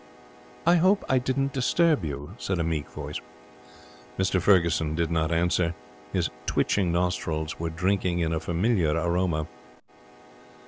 'I hope I didn't disturb you,' said a meek voice. Mr Ferguson did not answer. His twitching nostrils were drinking in a familiar aroma.